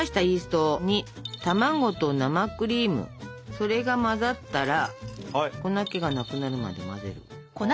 それが混ざったら粉けがなくなるまで混ぜる。